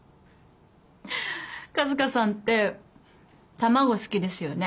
春日さんって卵好きですよね。